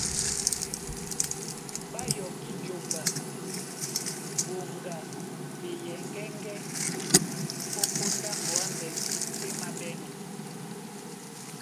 Ɓá yɔkí jomba mboŋga a ɓeyɛŋgɛ́ŋgɛ́ ó póndá ŋgɔ̌ á mbɛŋgɛ é māɓɛ́nɔ̄.